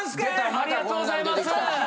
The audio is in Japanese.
ありがとうございます。